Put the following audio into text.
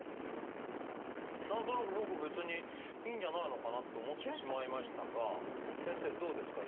何となく僕別にいいんじゃないのかなと思ってしまいましたが先生どうですか？